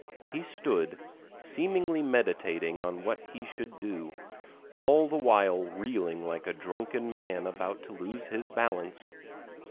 He stood, seemingly meditating what he should do, all the while reeling like a drunken man about to lose his balance.